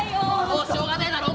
もうしょうがねえだろ